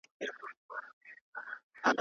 د جګړې په لیکو کي ټپیان څنګه درملنه کیږي؟